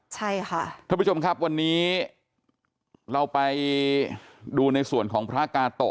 ใช่ค่ะท่านผู้ชมครับวันนี้เราไปดูในส่วนของพระกาโตะ